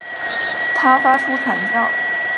他发出惨叫